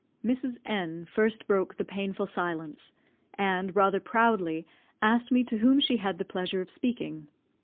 Mrs. N first broke the painful silence, and, rather proudly, asked me to whom she had the pleasure of speaking.